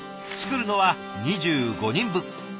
作るのは２５人分。